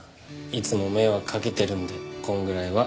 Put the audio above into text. いつも迷惑かけてるんでこれぐらいは。